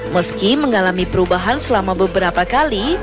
meski mengalami perubahan selama beberapa kali